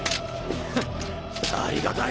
侫ありがたい！